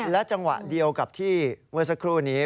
และจังหวะเดียวกับที่เมื่อสักครู่นี้